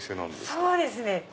そうですね。